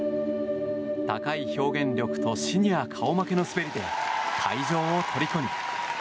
高い表現力とシニア顔負けの滑りで、会場をとりこに。